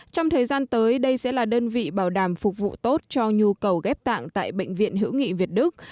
trong thời gian tới đây sẽ là đơn vị bảo đảm phục vụ tốt cho nhu cầu ghép tạng tại bệnh viện hữu nghị việt đức